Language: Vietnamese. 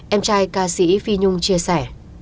em trai ca sĩ phi nhung chia sẻ